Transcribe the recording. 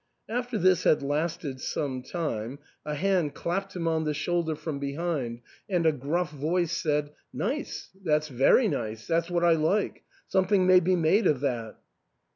After this had lasted some time, a hand clapped him on ARTHUR'S HALL. 325 the shoulder from behind, and a gruff voice said, " Nice — very nice ; that's what I like ; something maybe made of that."